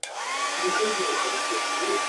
偃柏为柏科圆柏属桧树的变种。